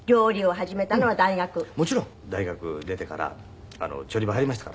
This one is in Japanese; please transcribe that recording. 大学出てから調理場入りましたから。